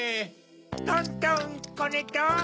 トントンこねトン。